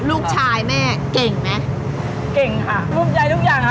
ลูกชายแม่เก่งไหมเก่งค่ะรวมใจทุกอย่างค่ะ